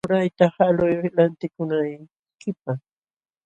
Murayta haluy lantikunaykipaq.